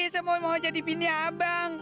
saya mau jadi pini abang